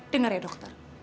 denger ya dokter